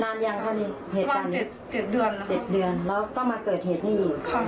บ้าน๗เดือนแล้วก็มาเกิดเหตุนี่